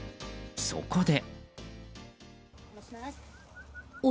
そこで。